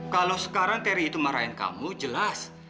kalau sekarang terry itu marahin kamu jelas